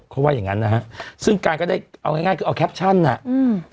เขาว่าอย่างงั้นนะฮะซึ่งการก็ได้เอาง่ายง่ายคือเอาแคปชั่นน่ะอืม